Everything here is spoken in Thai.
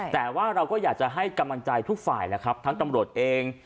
แต่ว่าเราก็อยากจะให้กำลังใจทุกฝ่ายแล้วครับทั้งตำรวจเอง